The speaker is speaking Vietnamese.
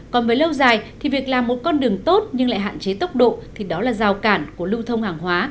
còn với lâu dài thì việc làm một con đường tốt nhưng lại hạn chế tốc độ thì đó là giao cản của lưu thông hàng hóa